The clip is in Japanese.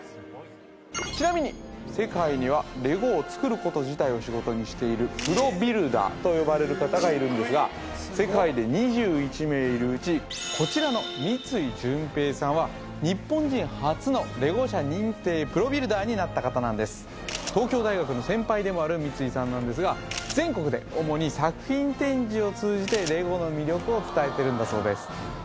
ちなみに世界にはレゴを作ること自体を仕事にしているプロビルダーと呼ばれる方がいるんですが世界で２１名いるうちこちらの三井淳平さんは日本人初のレゴ社認定プロビルダーになった方なんです東京大学の先輩でもある三井さんなんですが全国で主に作品展示を通じてレゴの魅力を伝えているんだそうです